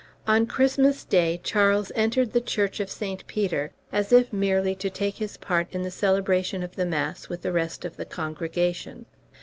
On Christmas day Charles entered the Church of St. Peter, as if merely to take his part in the celebration of the mass with the rest of the congregation.